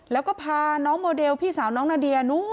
แล้วก็พาน้องโมเดลพี่สาวน้องนาเดีย